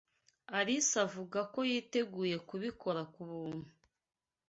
Alice avuga ko yiteguye kubikora ku buntu.